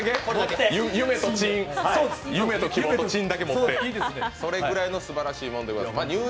夢と希望とチンだけ持って、それぐらいのすばらしいものです。